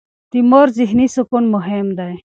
د مور ذهني سکون مهم دی.